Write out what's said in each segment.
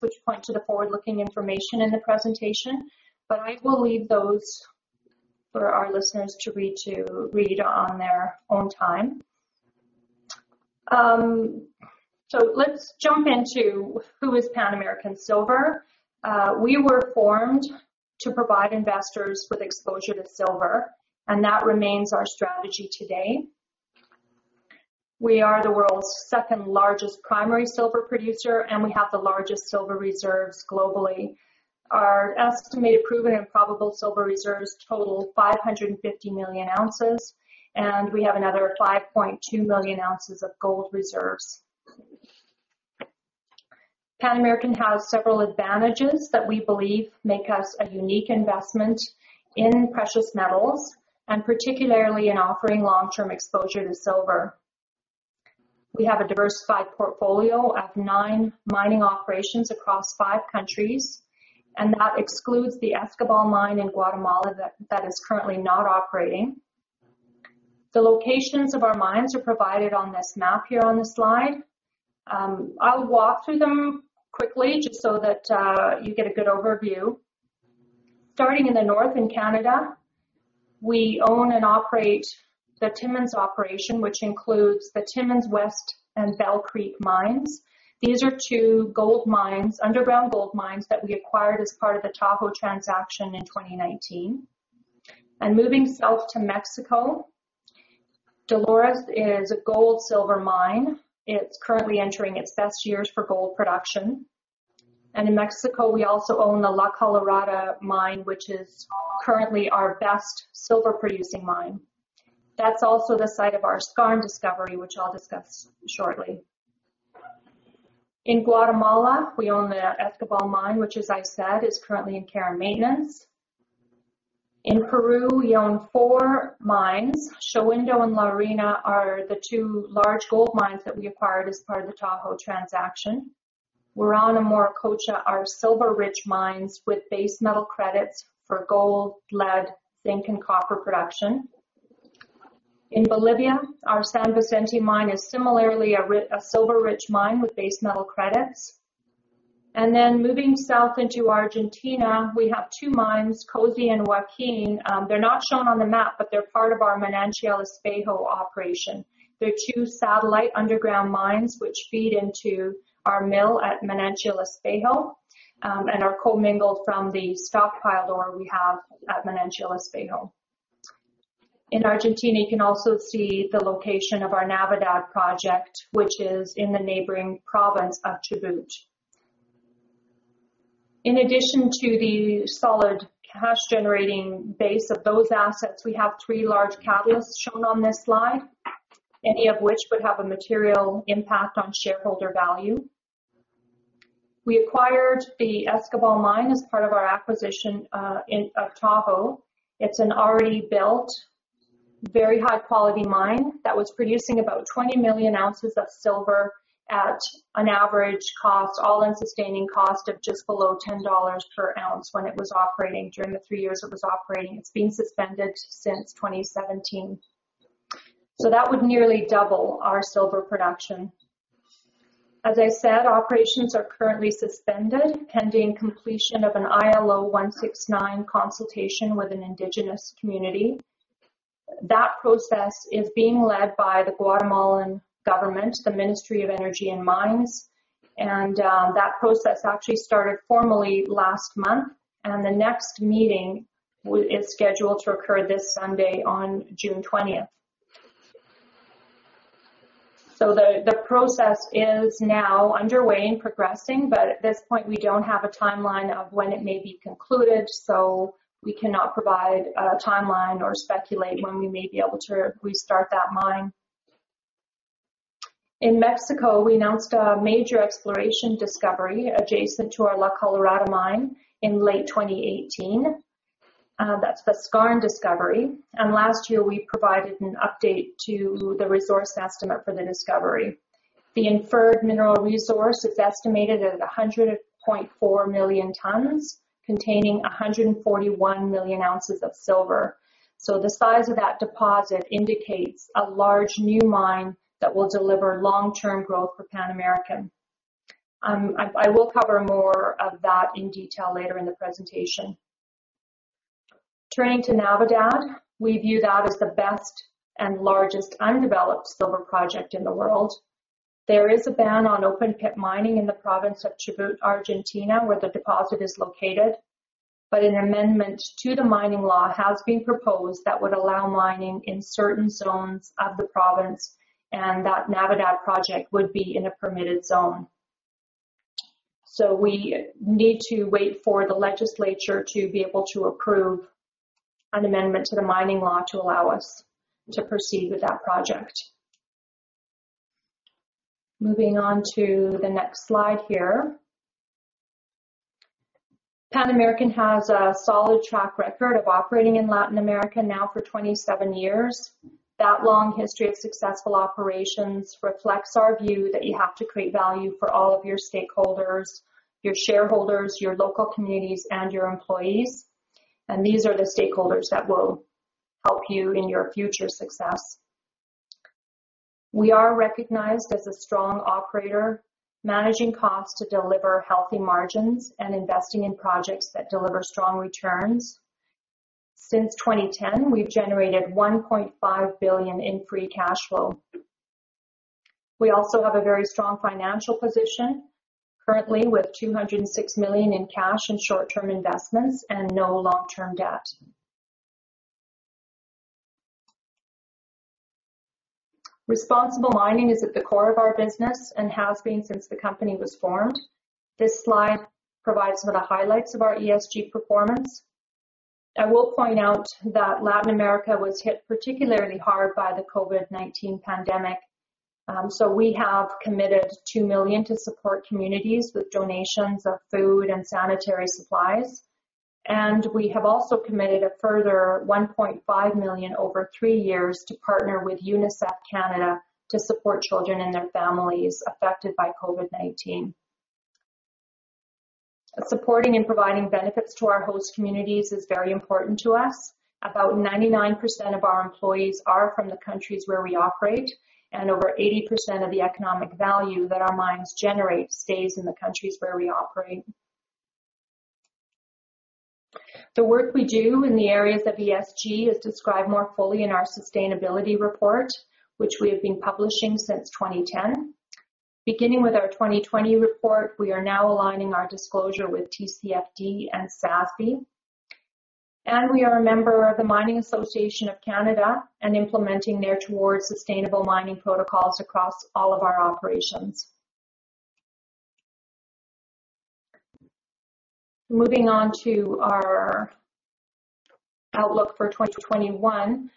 Which point to the forward-looking information in the presentation. I will leave those for our listeners to read on their own time. Let's jump into who is Pan American Silver. We were formed to provide investors with exposure to silver, that remains our strategy today. We are the world's second-largest primary silver producer, we have the largest silver reserves globally. Our estimated proven and probable silver reserves total 550 million oz, we have another 5.2 million oz of gold reserves. Pan American has several advantages that we believe make us a unique investment in precious metals, particularly in offering long-term exposure to silver. We have a diversified portfolio of nine mining operations across five countries, that excludes the Escobal Mine in Guatemala that is currently not operating. The locations of our mines are provided on this map here on the slide. I'll walk through them quickly just so that you get a good overview. Starting in the north in Canada, we own and operate the Timmins operation, which includes the Timmins West and Bell Creek mines. These are two underground gold mines that we acquired as part of the Tahoe transaction in 2019. Moving south to Mexico, Dolores is a gold-silver mine. It's currently entering its best years for gold production. In Mexico, we also own the La Colorada mine, which is currently our best silver-producing mine. That's also the site of our Skarn discovery, which I'll discuss shortly. In Guatemala, we own the Escobal mine, which, as I said, is currently in care and maintenance. In Peru, we own four mines. Shahuindo and La Arena are the two large gold mines that we acquired as part of the Tahoe transaction. Huaron and Morococha are silver-rich mines with base metal credits for gold, lead, zinc, and copper production. In Bolivia, our San Vicente mine is similarly a silver-rich mine with base metal credits. Moving south into Argentina, we have two mines, COSE and Joaquin. They're not shown on the map, but they're part of our Manantial Espejo operation. They're two satellite underground mines which feed into our mill at Manantial Espejo, and are co-mingled from the stock pile that we have at Manantial Espejo. In Argentina, you can also see the location of our Navidad project, which is in the neighboring province of Chubut. In addition to the solid cash-generating base of those assets, we have three large catalysts shown on this slide. Any of which would have a material impact on shareholder value. We acquired the Escobal mine as part of our acquisition of Tahoe. It's an already built, very high-quality mine that was producing about 20 million oz of silver at an average cost, all-in sustaining cost of just below $10 per oz when it was operating during the three years it was operating. It's been suspended since 2017. That would nearly double our silver production. As I said, operations are currently suspended pending completion of an ILO 169 consultation with an indigenous community. That process is being led by the Guatemalan government, the Ministry of Energy and Mines. That process actually started formally last month, and the next meeting is scheduled to occur this Sunday on June 20th. The process is now underway and progressing, but at this point, we don't have a timeline of when it may be concluded, so we cannot provide a timeline or speculate when we may be able to restart that mine. In Mexico, we announced a major exploration discovery adjacent to our La Colorada mine in late 2018. That's the Skarn discovery. Last year, we provided an update to the resource estimate for the discovery. The inferred mineral resource is estimated at 100.4 million tons containing 141 million oz of silver. The size of that deposit indicates a large new mine that will deliver long-term growth for Pan American. I will cover more of that in detail later in the presentation. Turning to Navidad, we view that as the best and largest undeveloped silver project in the world. There is a ban on open-pit mining in the province of Chubut, Argentina, where the deposit is located. An amendment to the mining law has been proposed that would allow mining in certain zones of the province, and that Navidad project would be in a permitted zone. We need to wait for the legislature to be able to approve an amendment to the mining law to allow us to proceed with that project. Moving on to the next slide here. Pan American has a solid track record of operating in Latin America now for 27 years. That long history of successful operations reflects our view that you have to create value for all of your stakeholders, your shareholders, your local communities, and your employees. These are the stakeholders that will help you in your future success. We are recognized as a strong operator, managing costs to deliver healthy margins and investing in projects that deliver strong returns. Since 2010, we've generated $1.5 billion in free cash flow. We also have a very strong financial position, currently with $206 million in cash and short-term investments and no long-term debt. Responsible mining is at the core of our business and has been since the company was formed. This slide provides some of the highlights of our ESG performance. I will point out that Latin America was hit particularly hard by the COVID-19 pandemic, we have committed $2 million to support communities with donations of food and sanitary supplies. We have also committed a further $1.5 million over three years to partner with UNICEF Canada to support children and their families affected by COVID-19. Supporting and providing benefits to our host communities is very important to us. About 99% of our employees are from the countries where we operate, and over 80% of the economic value that our mines generate stays in the countries where we operate. The work we do in the areas of ESG is described more fully in our sustainability report, which we have been publishing since 2010. Beginning with our 2020 report, we are now aligning our disclosure with TCFD and SASB. We are a member of the Mining Association of Canada and implementing their Towards Sustainable Mining protocols across all of our operations. Moving on to our outlook for 2021.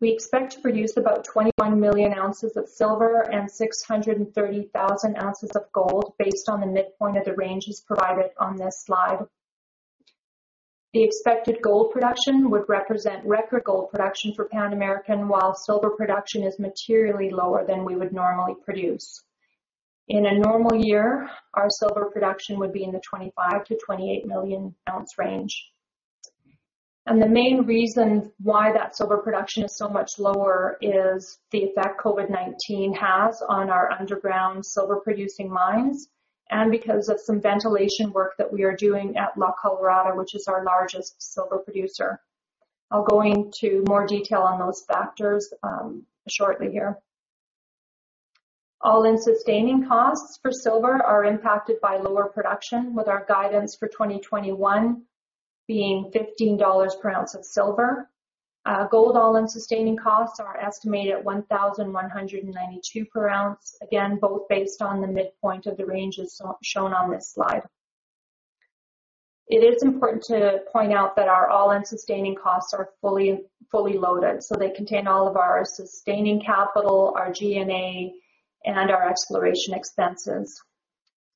We expect to produce about 21 million oz of silver and 630,000 oz of gold based on the midpoint of the ranges provided on this slide. The expected gold production would represent record gold production for Pan American, while silver production is materially lower than we would normally produce. In a normal year, our silver production would be in the 25 million-28 million oz range. The main reason why that silver production is so much lower is the effect COVID-19 has on our underground silver producing mines and because of some ventilation work that we are doing at La Colorada, which is our largest silver producer. I will go into more detail on those factors shortly here. All-in sustaining costs for silver are impacted by lower production, with our guidance for 2021 being $15 per ounce of silver. Gold all-in sustaining costs are estimated at $1,192 per ounce, again, both based on the midpoint of the ranges shown on this slide. It is important to point out that our all-in sustaining costs are fully loaded, so they contain all of our sustaining capital, our G&A, and our exploration expenses.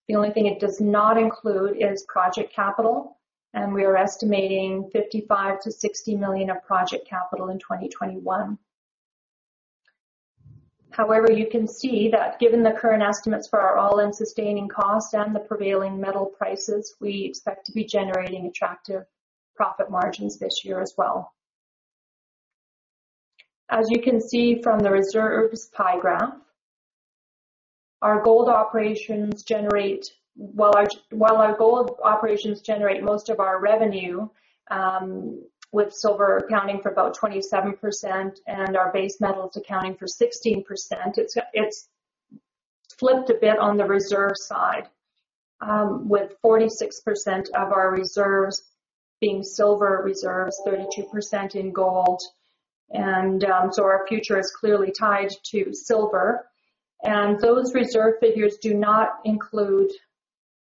The only thing it does not include is project capital. We are estimating $55 million-$60 million of project capital in 2021. However, you can see that given the current estimates for our all-in sustaining cost and the prevailing metal prices, we expect to be generating attractive profit margins this year as well. As you can see from the reserves pie graph, while our gold operations generate most of our revenue, with silver accounting for about 27% and our base metals accounting for 16%, it's flipped a bit on the reserve side, with 46% of our reserves being silver reserves, 32% in gold. Our future is clearly tied to silver. Those reserve figures do not include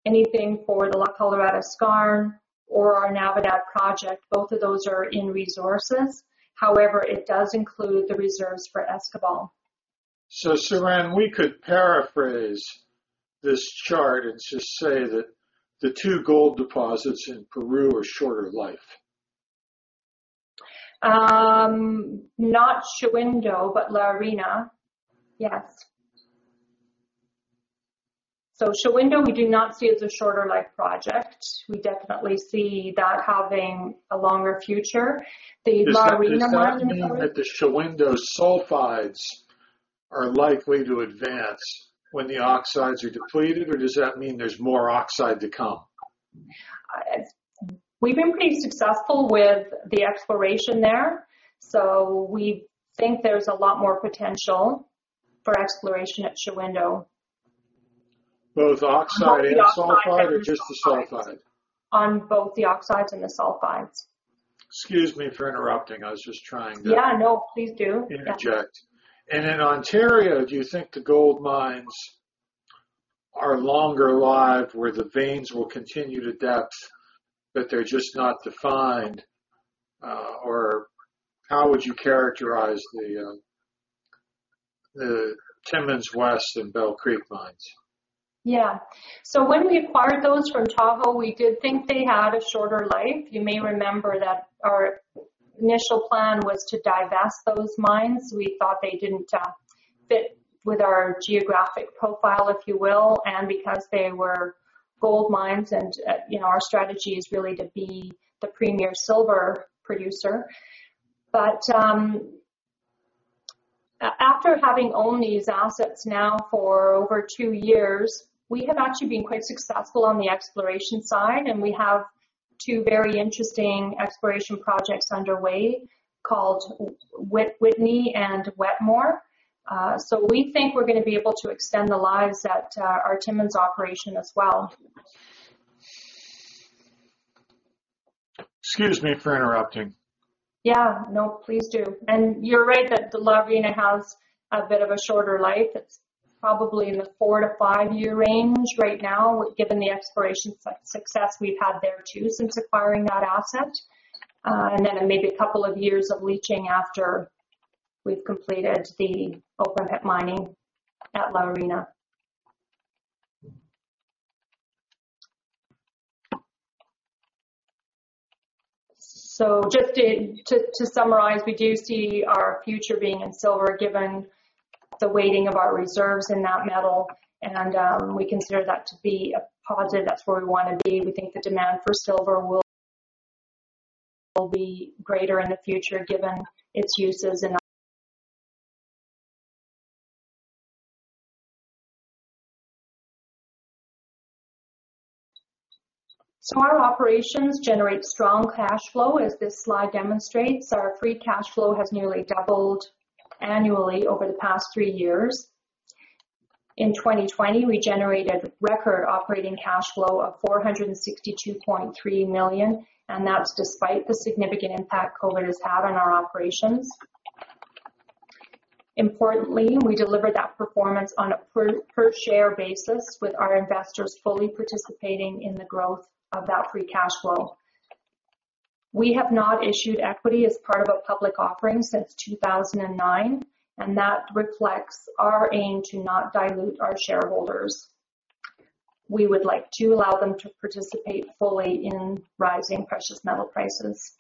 anything for the La Colorada Skarn or our Navidad project. Both of those are in resources. However, it does include the reserves for Escobal. Siren, we could paraphrase this chart and just say that the two gold deposits in Peru are shorter life. Not Shahuindo, but La Arena. Yes. Shahuindo we do not see as a shorter life project. We definitely see that having a longer future. The La Arena mine. Does that mean that the Shahuindo sulfides are likely to advance when the oxides are depleted, or does that mean there is more oxide to come? We've been pretty successful with the exploration there, so we think there's a lot more potential for exploration at Shahuindo. Both oxide and sulfide or just the sulfides? On both the oxides and the sulfides. Excuse me for interrupting. Yeah, no, please do. Yeah Interject. In Ontario, do you think the gold mines are longer live where the veins will continue to depth, but they're just not defined? How would you characterize the Timmins West and Bell Creek mines? When we acquired those from Tahoe, we did think they had a shorter life. You may remember that our initial plan was to divest those mines. We thought they didn't fit with our geographic profile, if you will, and because they were gold mines and our strategy is really to be the premier silver producer. After having owned these assets now for over two years, we have actually been quite successful on the exploration side, and we have two very interesting exploration projects underway called Whitney and Wetmore. We think we're going to be able to extend the lives at our Timmins operation as well. Excuse me for interrupting. Yeah, no, please do. You're right that La Arena has a bit of a shorter life. It's probably in the four to five-year range right now, given the exploration success we've had there too since acquiring that asset. Maybe a couple of years of leaching after we've completed the open pit mining at La Arena. Just to summarize, we do see our future being in silver, given the weighting of our reserves in that metal, and we consider that to be a positive. That's where we want to be. We think the demand for silver will be greater in the future given its uses in our operations generate strong cash flow, as this slide demonstrates. Our free cash flow has nearly doubled annually over the past three years. In 2020, we generated record operating cash flow of $462.3 million. That's despite the significant impact COVID has had on our operations. Importantly, we delivered that performance on a per-share basis with our investors fully participating in the growth of that free cash flow. We have not issued equity as part of a public offering since 2009. That reflects our aim to not dilute our shareholders. We would like to allow them to participate fully in rising precious metal prices.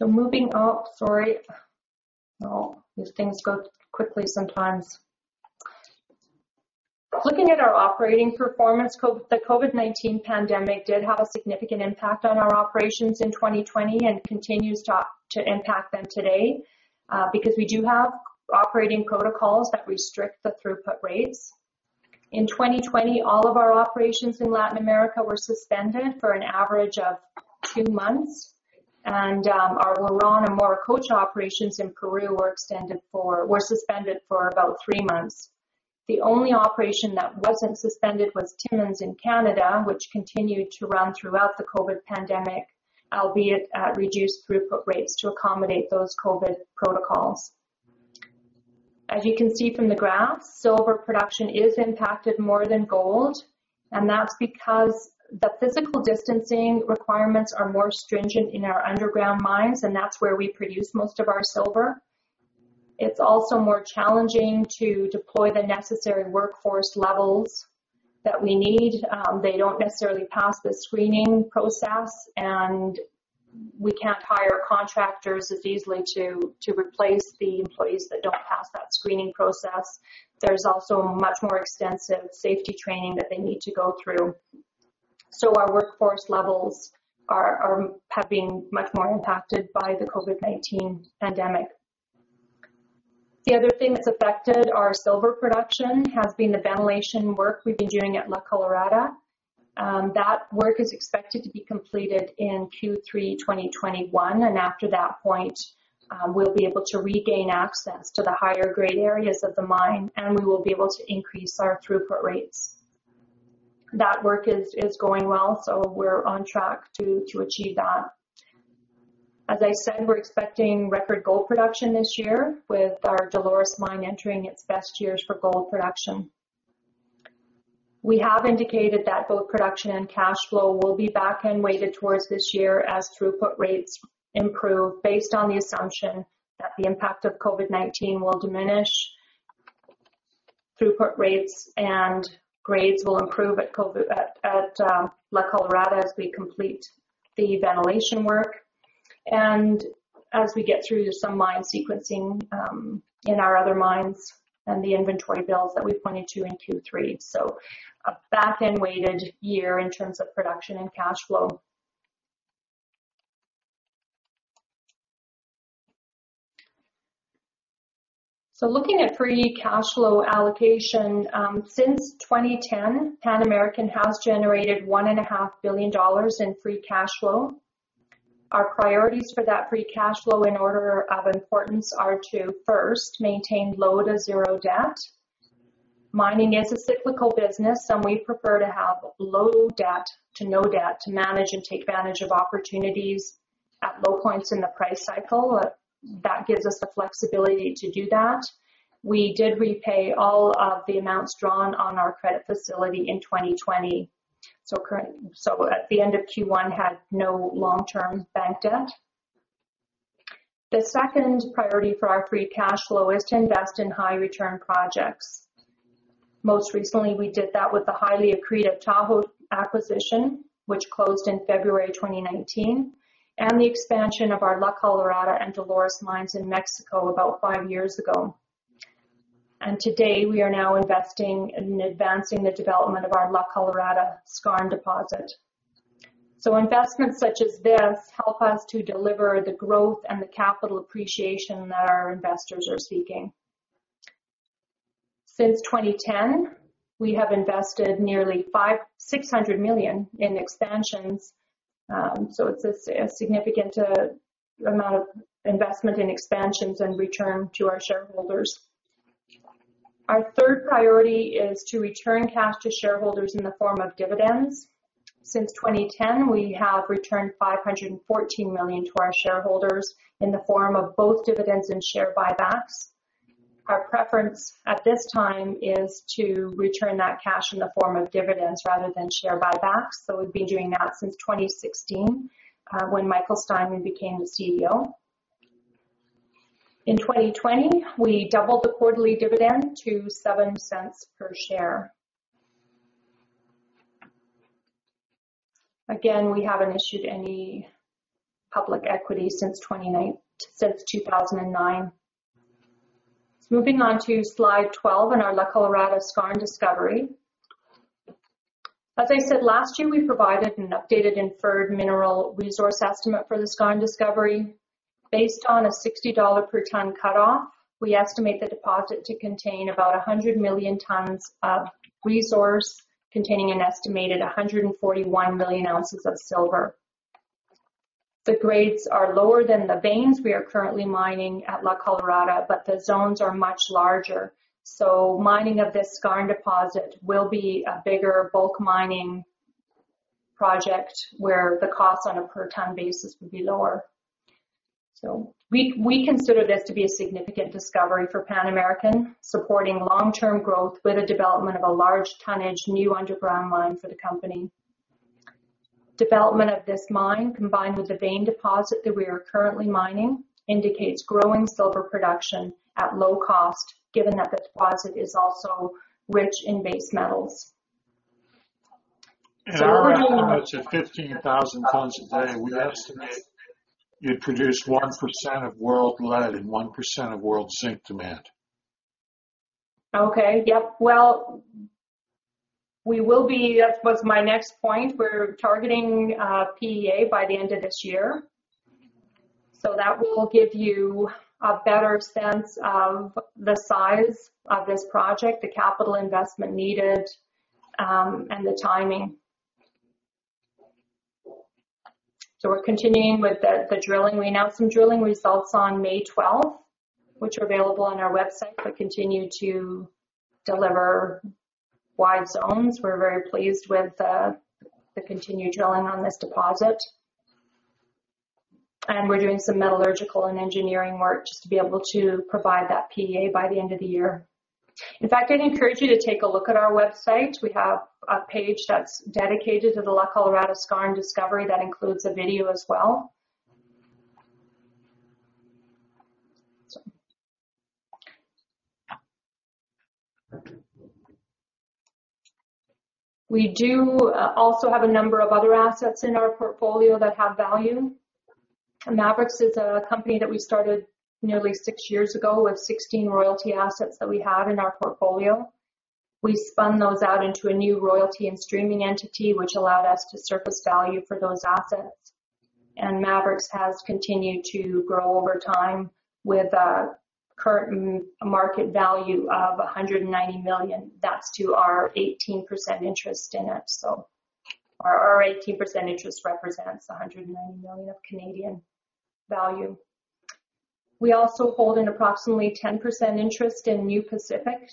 Moving up. Sorry. These things go quickly sometimes. Looking at our operating performance, the COVID-19 pandemic did have a significant impact on our operations in 2020 and continues to impact them today because we do have operating protocols that restrict the throughput rates. In 2020, all of our operations in Latin America were suspended for an average of two months, and our Huaron and Morococha operations in Peru were suspended for about three months. The only operation that wasn't suspended was Timmins in Canada, which continued to run throughout the COVID-19 pandemic, albeit at reduced throughput rates to accommodate those COVID-19 protocols. As you can see from the graphs, silver production is impacted more than gold, and that's because the physical distancing requirements are more stringent in our underground mines, and that's where we produce most of our silver. It's also more challenging to deploy the necessary workforce levels that we need. They don't necessarily pass the screening process, and we can't hire contractors as easily to replace the employees that don't pass that screening process. There's also much more extensive safety training that they need to go through. Our workforce levels have been much more impacted by the COVID-19 pandemic. The other thing that's affected our silver production has been the ventilation work we've been doing at La Colorada. That work is expected to be completed in Q3 2021, and after that point, we'll be able to regain access to the higher-grade areas of the mine, and we will be able to increase our throughput rates. That work is going well, so we're on track to achieve that. As I said, we're expecting record gold production this year with our Dolores mine entering its best years for gold production. We have indicated that both production and cash flow will be back-end weighted towards this year as throughput rates improve based on the assumption that the impact of COVID-19 will diminish, throughput rates and grades will improve at La Colorada as we complete the ventilation work, and as we get through some mine sequencing in our other mines and the inventory builds that we pointed to in Q3. A back-end weighted year in terms of production and cash flow. Looking at free cash flow allocation, since 2010, Pan American has generated $1.5 billion in free cash flow. Our priorities for that free cash flow in order of importance are to, first, maintain low to zero debt. Mining is a cyclical business, we prefer to have low debt to no debt to manage and take advantage of opportunities at low points in the price cycle. That gives us the flexibility to do that. We did repay all of the amounts drawn on our credit facility in 2020. At the end of Q1, had no long-term bank debt. The second priority for our free cash flow is to invest in high-return projects. Most recently, we did that with the highly accretive Tahoe acquisition, which closed in February 2019, and the expansion of our La Colorada and Dolores mines in Mexico about five years ago. Today, we are now investing in advancing the development of our La Colorada Skarn deposit. Investments such as this help us to deliver the growth and the capital appreciation that our investors are seeking. Since 2010, we have invested nearly $600 million in expansions, so it's a significant amount of investment in expansions and return to our shareholders. Our third priority is to return cash to shareholders in the form of dividends. Since 2010, we have returned $514 million to our shareholders in the form of both dividends and share buybacks. Our preference at this time is to return that cash in the form of dividends rather than share buybacks. We've been doing that since 2016, when Michael Steinmann became the CEO. In 2020, we doubled the quarterly dividend to $0.07 per share. Again, we haven't issued any public equity since 2009. Moving on to slide 12 and our La Colorada Skarn discovery. As I said, last year, we provided an updated inferred mineral resource estimate for the Skarn discovery. Based on a $60 per ton cutoff, we estimate the deposit to contain about 100 million tons of resource, containing an estimated 141 million oz of silver. The grades are lower than the veins we are currently mining at La Colorada, but the zones are much larger. Mining of this Skarn deposit will be a bigger bulk mining project where the cost on a per ton basis would be lower. We consider this to be a significant discovery for Pan American, supporting long-term growth with the development of a large tonnage new underground mine for the company. Development of this mine, combined with the vein deposit that we are currently mining, indicates growing silver production at low cost given that the deposit is also rich in base metals. Overall, I'd imagine 15,000 tons a day, we estimate you'd produce 1% of world lead and 1% of world zinc demand. Okay. Yep. Well, that was my next point, we're targeting PEA by the end of this year. That will give you a better sense of the size of this project, the capital investment needed, and the timing. We're continuing with the drilling. We announced some drilling results on May 12th, which are available on our website, that continue to deliver wide zones. We're very pleased with the continued drilling on this deposit. We're doing some metallurgical and engineering work just to be able to provide that PEA by the end of the year. In fact, I'd encourage you to take a look at our website. We have a page that's dedicated to the La Colorada skarn discovery that includes a video as well. We do also have a number of other assets in our portfolio that have value. Maverix is a company that we started nearly six years ago with 16 royalty assets that we have in our portfolio. We spun those out into a new royalty and streaming entity, which allowed us to surface value for those assets. Maverix has continued to grow over time with a current market value of 190 million. That is to our 18% interest in it. So our 18% interest represents 190 million of Canadian value. We also hold an approximately 10% interest in New Pacific.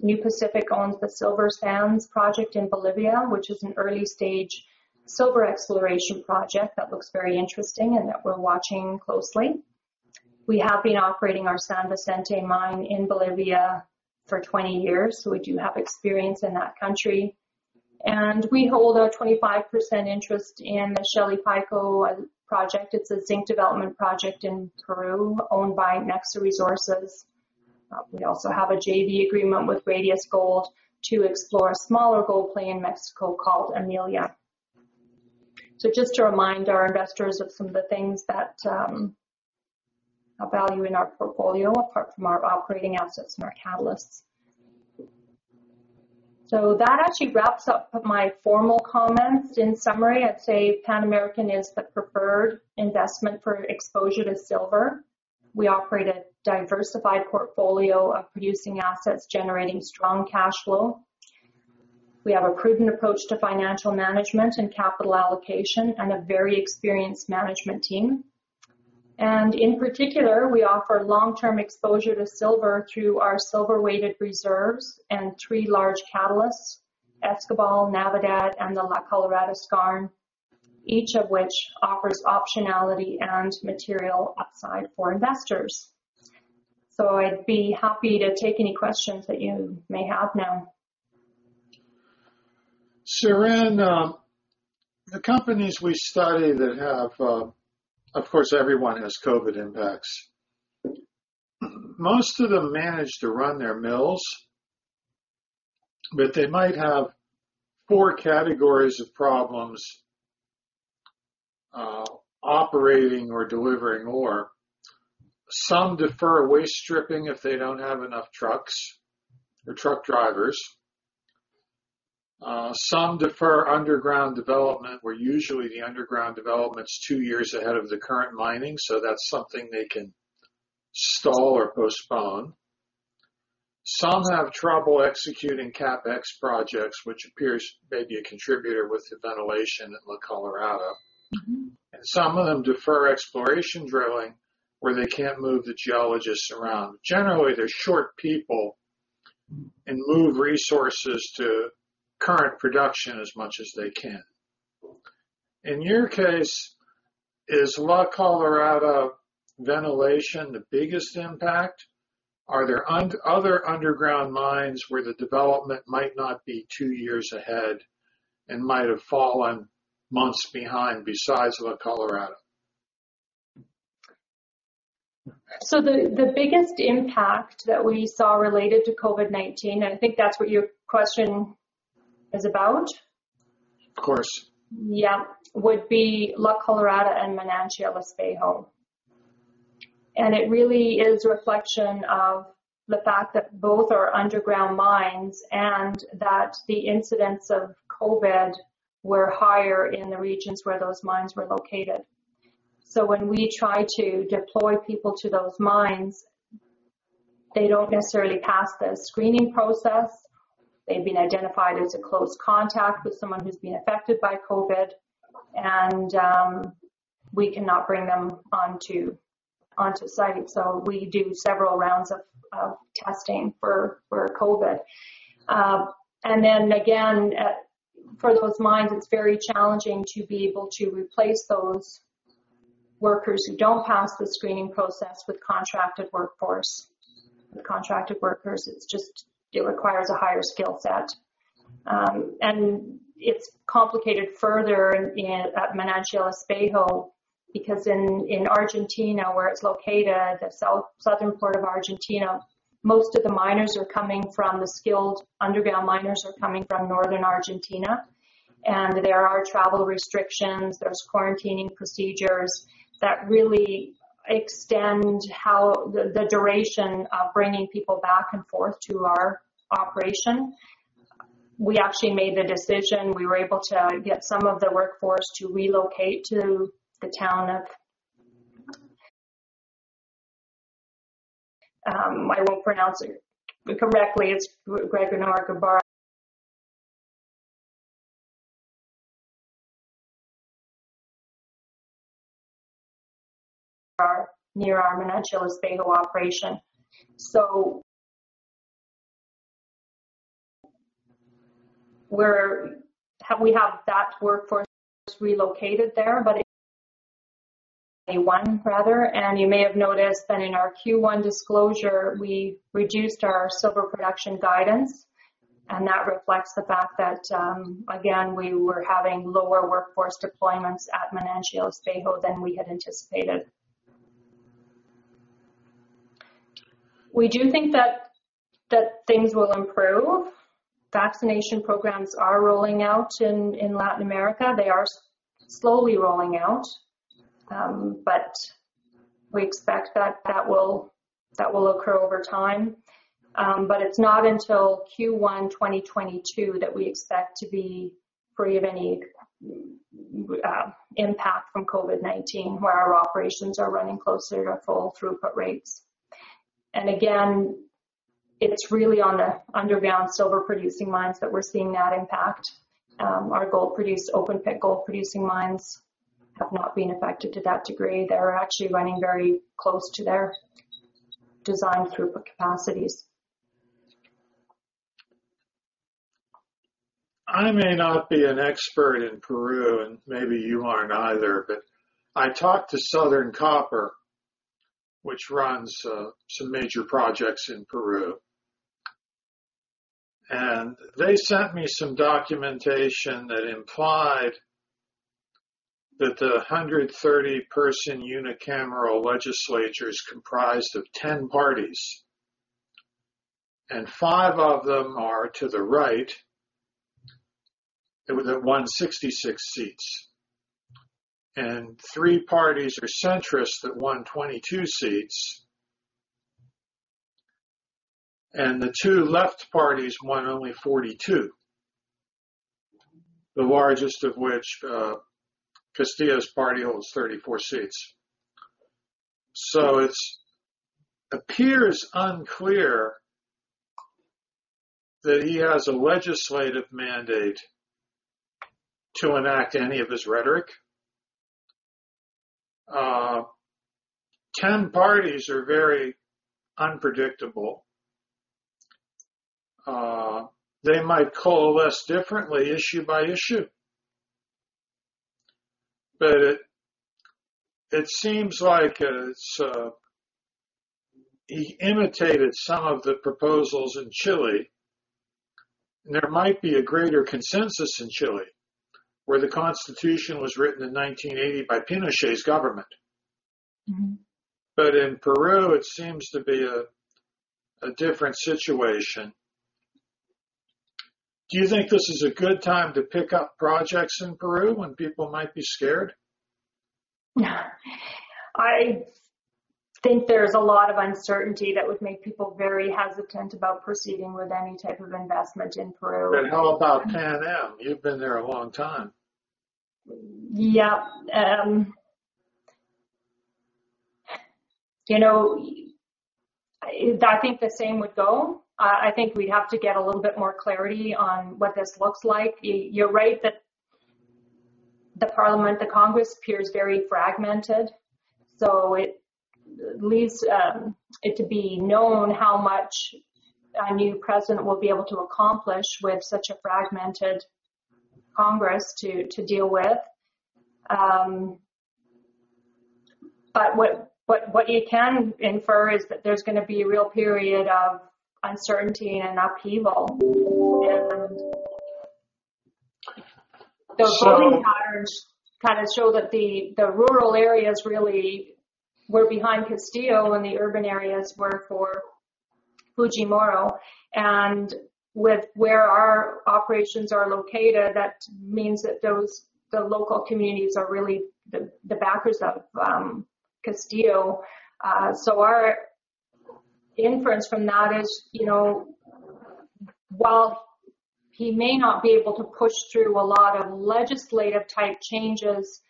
New Pacific owns the Silver Sand project in Bolivia, which is an early-stage silver exploration project that looks very interesting and that we are watching closely. We have been operating our San Vicente mine in Bolivia for 20 years, so we do have experience in that country. We hold a 25% interest in the Shalipayco project. It's a zinc development project in Peru owned by Nexa Resources. We also have a JV agreement with Radius Gold to explore a smaller gold play in Mexico called Amalia. Just to remind our investors of some of the things that are value in our portfolio, apart from our operating assets and our catalysts. That actually wraps up my formal comments. In summary, I'd say Pan American is the preferred investment for exposure to silver. We operate a diversified portfolio of producing assets, generating strong cash flow. We have a prudent approach to financial management and capital allocation and a very experienced management team. In particular, we offer long-term exposure to silver through our silver-weighted reserves and three large catalysts, Escobal, Navidad, and the La Colorada skarn, each of which offers optionality and material upside for investors. I'd be happy to take any questions that you may have now. Siren, the companies we study. Of course, everyone has COVID impacts. Most of them manage to run their mills, but they might have four categories of problems operating or delivering ore. Some defer waste stripping if they don't have enough trucks or truck drivers. Some defer underground development, where usually the underground development's two years ahead of the current mining. That's something they can stall or postpone. Some have trouble executing CapEx projects, which appears may be a contributor with the ventilation at La Colorada. Some of them defer exploration drilling, where they can't move the geologists around. Generally, they're short people, and move resources to current production as much as they can. In your case, is La Colorada ventilation the biggest impact? Are there other underground mines where the development might not be two years ahead and might have fallen months behind besides La Colorada? The biggest impact that we saw related to COVID-19, and I think that's what your question is about. Of course. Would be La Colorada and Manantial Espejo. It really is a reflection of the fact that both are underground mines and that the incidents of COVID were higher in the regions where those mines were located. When we try to deploy people to those mines, they don't necessarily pass the screening process. They've been identified as a close contact with someone who's been affected by COVID, we cannot bring them onto site. We do several rounds of testing for COVID. Again, for those mines, it's very challenging to be able to replace those workers who don't pass the screening process with contracted workers. It requires a higher skill set. It's complicated further at Manantial Espejo because in Argentina, where it's located, the Southern part of Argentina, most of the skilled underground miners are coming from Northern Argentina, and there are travel restrictions. There's quarantining procedures that really extend the duration of bringing people back and forth to our operation. We made the decision, we were able to get some of the workforce to relocate to the town of Gobernador Gregores, near our Manantial Espejo operation. We have that workforce relocated there. You may have noticed that in our Q1 disclosure, we reduced our silver production guidance, and that reflects the fact that, again, we were having lower workforce deployments at Manantial Espejo than we had anticipated. We do think that things will improve. Vaccination programs are rolling out in Latin America. They are slowly rolling out. We expect that that will occur over time. It's not until Q1 2022 that we expect to be free of any impact from COVID-19, where our operations are running closer to full throughput rates. Again, it's really on the underground silver-producing mines that we're seeing that impact. Our open pit gold-producing mines have not been affected to that degree. They're actually running very close to their designed throughput capacities. I may not be an expert in Peru, and maybe you aren't either, but I talked to Southern Copper, which runs some major projects in Peru. They sent me some documentation that implied that the 130-person unicameral legislature is comprised of 10 parties, and five of them are to the right, that won 66 seats. Three parties are centrists that won 22 seats. The two left parties won only 42, the largest of which, Castillo's party, holds 34 seats. It appears unclear that he has a legislative mandate to enact any of his rhetoric. 10 parties are very unpredictable. They might coalesce differently issue by issue. It seems like he imitated some of the proposals in Chile. There might be a greater consensus in Chile, where the constitution was written in 1980 by Pinochet's government. In Peru, it seems to be a different situation. Do you think this is a good time to pick up projects in Peru when people might be scared? No. I think there's a lot of uncertainty that would make people very hesitant about proceeding with any type of investment in Peru. How about Pan Am? You've been there a long time. Yeah. I think the same would go. I think we'd have to get a little bit more clarity on what this looks like. You're right that the congress appears very fragmented, so it leaves it to be known how much a new president will be able to accomplish with such a fragmented congress to deal with. What you can infer is that there's going to be a real period of uncertainty and upheaval. The voting patterns kind of show that the rural areas really were behind Castillo, and the urban areas were for Fujimori. With where our operations are located, that means that the local communities are really the backers of Castillo. Our inference from that is, while he may not be able to push through a lot of legislative type changes,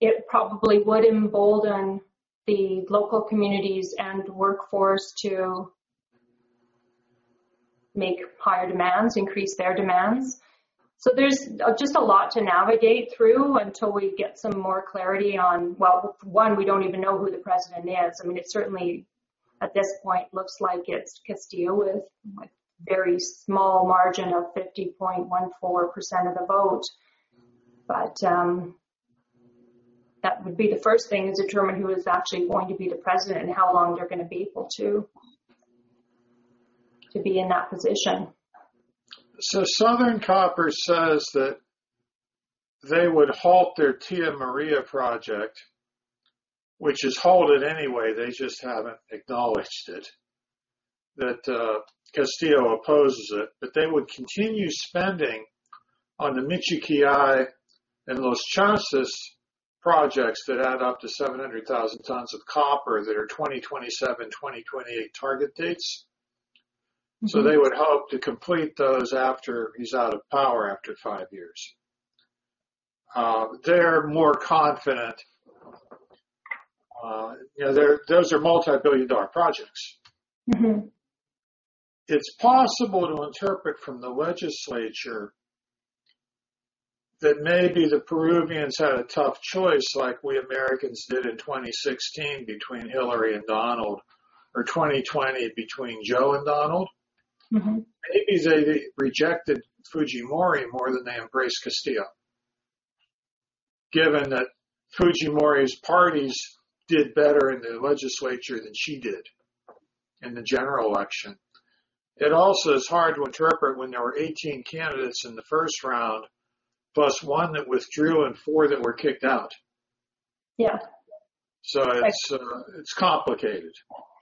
it probably would embolden the local communities and workforce to make higher demands, increase their demands. There's just a lot to navigate through until we get some more clarity on Well, one, we don't even know who the president is. I mean, it certainly, at this point, looks like it's Castillo with a very small margin of 50.14% of the vote. That would be the first thing is determine who is actually going to be the president and how long they're going to be able to be in that position. Southern Copper says that they would halt their Tía María project, which is halted anyway, they just haven't acknowledged it, that Castillo opposes it. They would continue spending on the Michiquillay and Los Chancas projects that add up to 700,000 tons of copper that are 2027, 2028 target dates. They would hope to complete those after he's out of power after five years. They're more confident. Those are multi-billion dollar projects. It's possible to interpret from the legislature that maybe the Peruvians had a tough choice like we Americans did in 2016 between Hillary and Donald, or 2020 between Joe and Donald. Maybe they rejected Fujimori more than they embraced Castillo, given that Fujimori's parties did better in the legislature than she did in the general election. It also is hard to interpret when there were 18 candidates in the first round, plus one that withdrew and four that were kicked out. Yeah. It's complicated.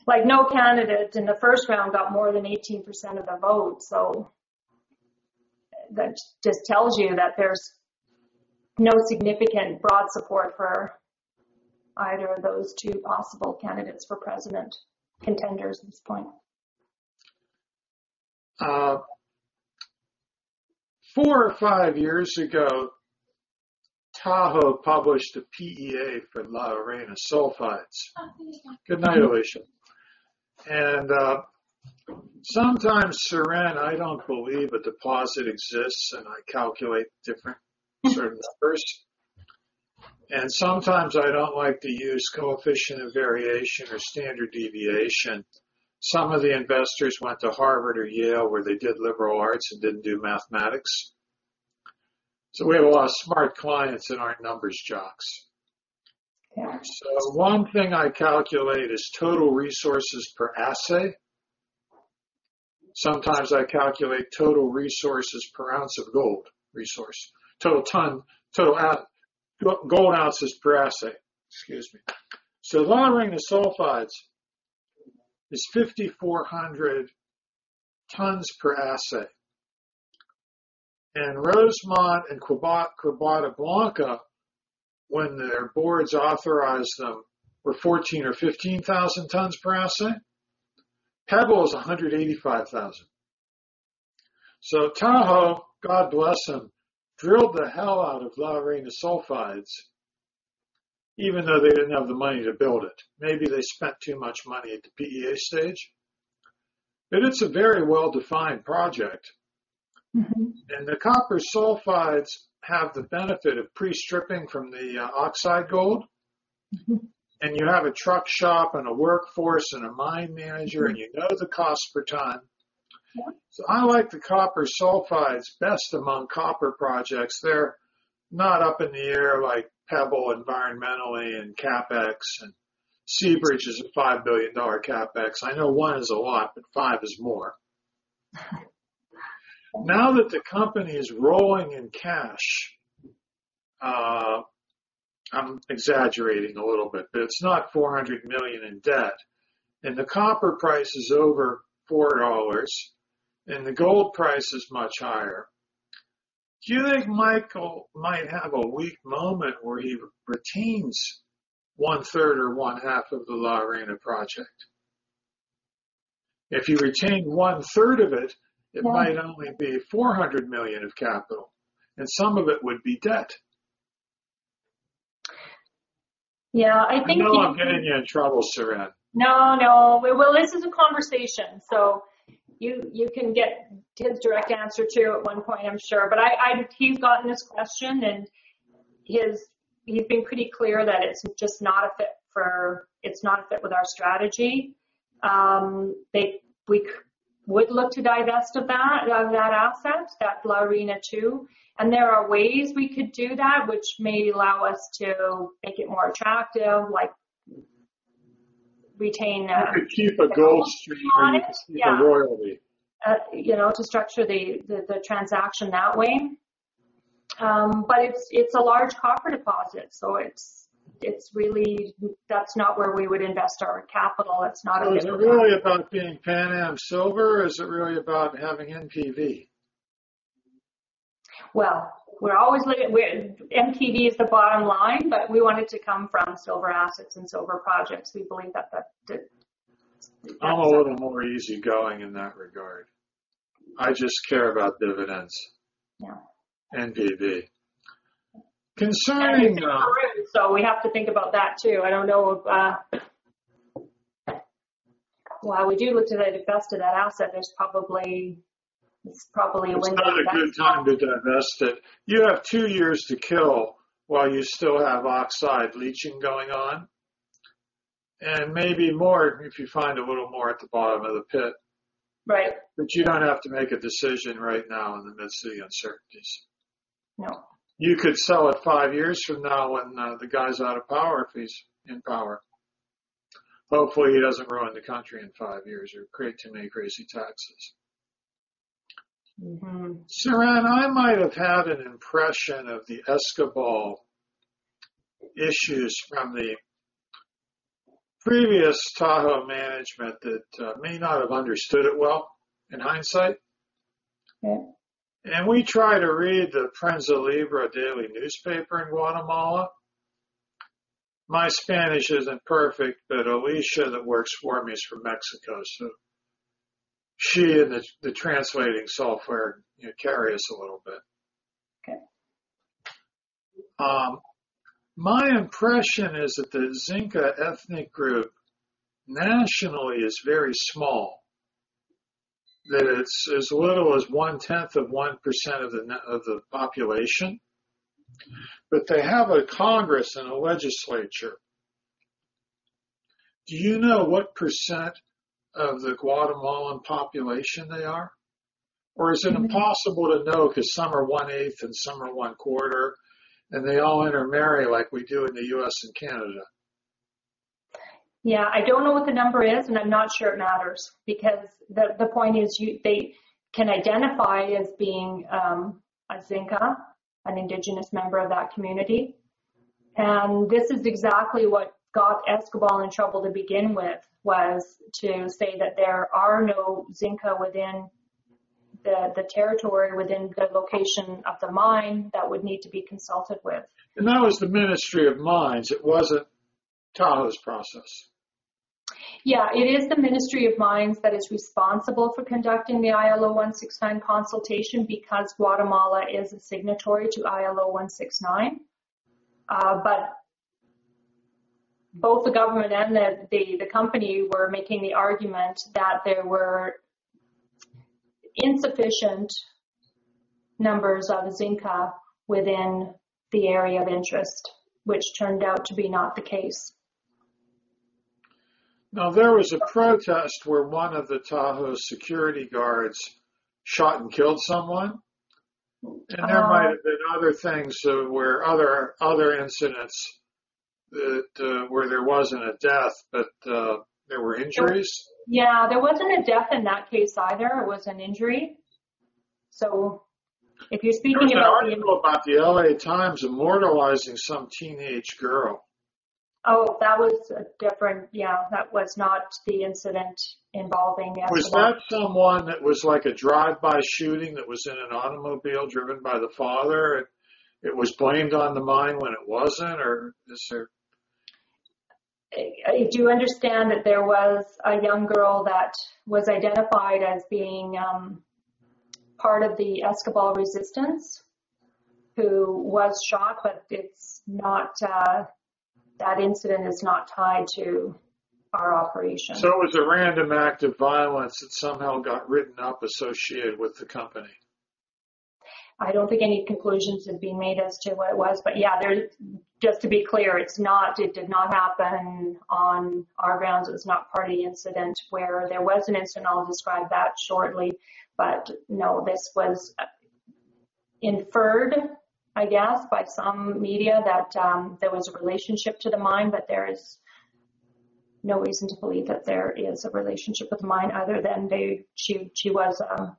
No candidate in the first round got more than 18% of the vote. That just tells you that there's no significant broad support for either of those two possible candidates for president contenders at this point. Four or five years ago, Tahoe published a PEA for La Arena Sulfides. Good night, Alicia. Sometimes, Siren, I don't believe a deposit exists, and I calculate different sort of numbers. Sometimes I don't like to use coefficient of variation or standard deviation. Some of the investors went to Harvard or Yale, where they did liberal arts and didn't do mathematics. We have a lot of smart clients that aren't numbers jocks. Yeah. One thing I calculate is total resources per assay. Sometimes I calculate total resources per ounce of gold resource. Total gold ounces per assay. Excuse me. La Arena Sulfides is 5,400 tons per assay. Rosemont and Quebrada Blanca, when their boards authorized them, were 14,000 or 15,000 tons per assay. Pebble is 185,000. Tahoe, God bless them, drilled the hell out of La Arena Sulfides, even though they didn't have the money to build it. Maybe they spent too much money at the PEA stage. It's a very well-defined project. The copper sulfides have the benefit of pre-stripping from the oxide gold. You have a truck shop and a workforce and a mine manager, and you know the cost per ton. I like the copper sulfides best among copper projects. They're not up in the air like Pebble environmentally and CapEx, and Seabridge is a $5 billion CapEx. I know one is a lot, but five is more. Now that the company is rolling in cash, I'm exaggerating a little bit, but it's not $400 million in debt, and the copper price is over $4, and the gold price is much higher. Do you think Michael might have a weak moment where he retains one third or one half of the La Arena project? If he retained one third of it might only be $400 million of capital, and some of it would be debt. Yeah. I think. I know I'm getting you in trouble, Siren. No, no. Well, this is a conversation, so you can get his direct answer too at one point, I'm sure. He's gotten this question, and he's been pretty clear that it's just not fit with our strategy. We would look to divest of that asset, that La Arena II. There are ways we could do that, which may allow us to make it more attractive. You could keep a gold stream or you could keep a royalty. To structure the transaction that way. It's a large copper deposit. That's not where we would invest our capital. Is it really about being Pan American Silver, or is it really about having NPV? Well, NPV is the bottom line, but we want it to come from silver assets and silver projects. We believe that that's it. I'm a little more easygoing in that regard. I just care about dividends. Yeah. NPV. It's current. We have to think about that too. I don't know if while we do look to divest of that asset, it's probably linked with that. It's not a good time to divest it. You have two years to kill while you still have oxide leaching going on, and maybe more if you find a little more at the bottom of the pit. Right. You don't have to make a decision right now in the midst of the uncertainties. No. You could sell it five years from now when the guy's out of power, if he's in power. Hopefully, he doesn't ruin the country in five years or create too many crazy taxes. Siren, I might have had an impression of the Escobal issues from the previous Tahoe management that may not have understood it well in hindsight. Well. We try to read the Prensa Libre daily newspaper in Guatemala. My Spanish isn't perfect, but Alicia that works for me is from Mexico, so she and the translating software carry us a little bit. My impression is that the Xinka people ethnic group nationally is very small, that it's as little as one-tenth of 1% of the population, but they have a congress and a legislature. Do you know what percent of the Guatemalan population they are? Or is it impossible to know because some are one-eighth and some are one-fourth, and they all intermarry like we do in the U.S. and Canada? Yeah. I don't know what the number is, and I'm not sure it matters because the point is they can identify as being a Xinka, an indigenous member of that community. This is exactly what got Escobal in trouble to begin with was to say that there are no Xinka within the territory, within the location of the mine that would need to be consulted with. That was the Ministry of Mines. It wasn't Tahoe's process. It is the Ministry of Mines that is responsible for conducting the ILO 169 consultation because Guatemala is a signatory to ILO 169. Both the government and the company were making the argument that there were insufficient numbers of Xinka within the area of interest, which turned out to be not the case. Now, there was a protest where one of the Tahoe security guards shot and killed someone. There are. There might have been other things, other incidents where there wasn't a death, but there were injuries. Yeah. There wasn't a death in that case either. It was an injury. If you speak about. There was an article about the LA Times immortalizing some teenage girl. Oh, that was different. Yeah. That was not the incident involving. Was that someone that was like a drive-by shooting that was in an automobile driven by the father, and it was blamed on the mine when it wasn't, or is there? I do understand that there was a young girl that was identified as being part of the Escobal resistance who was shot, but that incident is not tied to our operation. It was a random act of violence that somehow got written up associated with the company? I don't think any conclusions have been made as to what it was. Yeah, just to be clear, it did not happen on our grounds. It was not a party incident. Where there was an incident, I'll describe that shortly, no, this was inferred, I guess, by some media that there was a relationship to the mine, but there is no reason to believe that there is a relationship with the mine other than she was a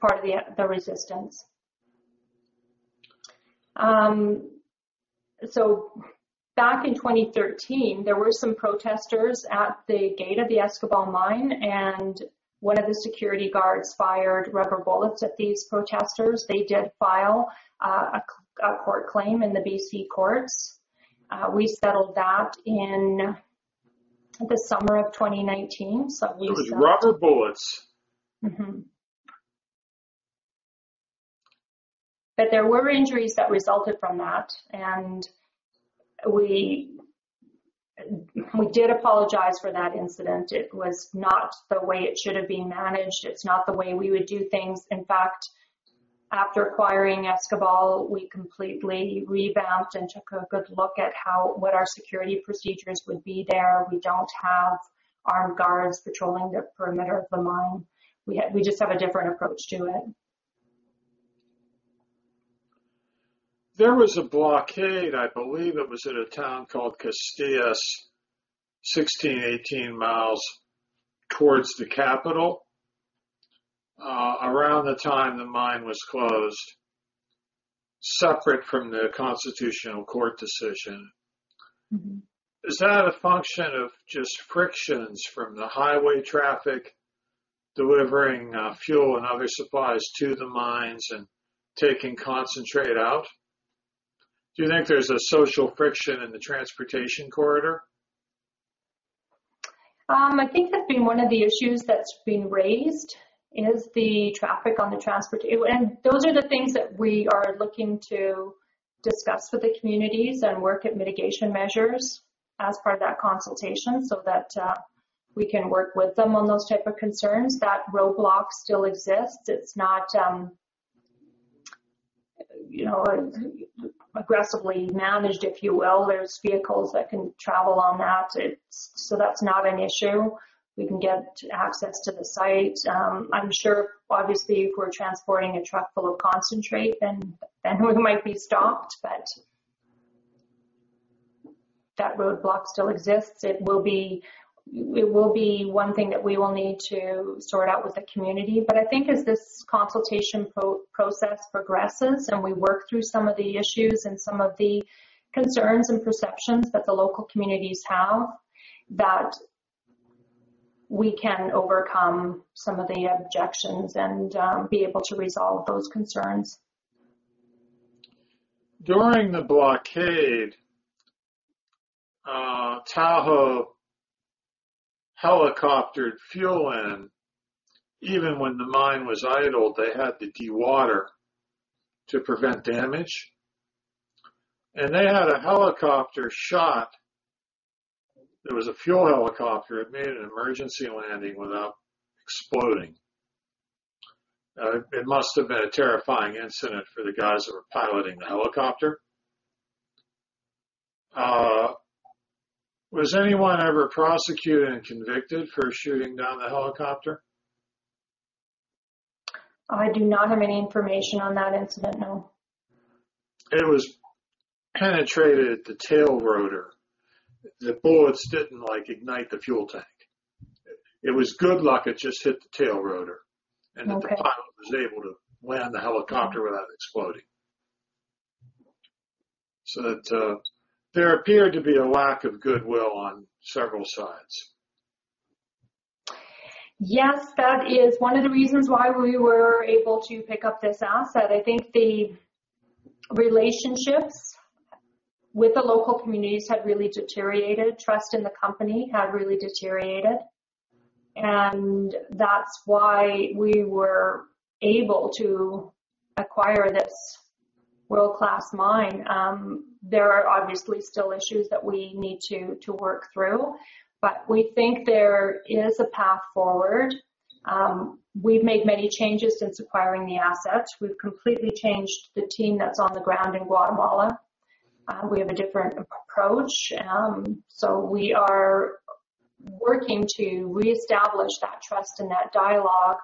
part of the Escobal resistance. Back in 2013, there were some protesters at the gate of the Escobal mine, and one of the security guards fired rubber bullets at these protesters. They did file a court claim in the B.C. courts. We settled that in the summer of 2019. It was rubber bullets. There were injuries that resulted from that, and we did apologize for that incident. It was not the way it should've been managed. It's not the way we would do things. In fact, after acquiring Escobal, we completely revamped and took a good look at what our security procedures would be there. We don't have armed guards patrolling the perimeter of the mine. We just have a different approach to it. There was a blockade, I believe it was at a town called Casillas, 16, 18 mi towards the capital, around the time the mine was closed, separate from the Constitutional Court decision. Is that a function of just frictions from the highway traffic delivering fuel and other supplies to the mines and taking concentrate out? Do you think there's a social friction in the transportation corridor? I think that being one of the issues that's been raised is the traffic on the transport. Those are the things that we are looking to discuss with the communities and work at mitigation measures as part of that consultation so that we can work with them on those type of concerns. That roadblock still exists. It's not aggressively managed, if you will. There's vehicles that can travel on that, so that's not an issue. We can get access to the site. I'm sure, obviously, if we're transporting a truck full of concentrate, then we might be stopped, but that roadblock still exists. It will be one thing that we will need to sort out with the community. I think as this consultation process progresses and we work through some of the issues and some of the concerns and perceptions that the local communities have, that we can overcome some of the objections and be able to resolve those concerns. During the blockade, Tahoe helicoptered fuel in. Even when the mine was idled, they had to de-water to prevent damage. They had a helicopter shot. It was a fuel helicopter. It made an emergency landing without exploding. It must have been a terrifying incident for the guys that were piloting the helicopter. Was anyone ever prosecuted and convicted for shooting down the helicopter? I do not have any information on that incident, no. It was penetrated at the tail rotor. The bullets didn't ignite the fuel tank. It was good luck it just hit the tail rotor. Okay. That the pilot was able to land the helicopter without exploding. That there appeared to be a lack of goodwill on several sides. Yes, that is one of the reasons why we were able to pick up this asset. I think the relationships with the local communities had really deteriorated. Trust in the company had really deteriorated, and that's why we were able to acquire this world-class mine. There are obviously still issues that we need to work through, but we think there is a path forward. We've made many changes since acquiring the asset. We've completely changed the team that's on the ground in Guatemala. We have a different approach. We are working to reestablish that trust and that dialogue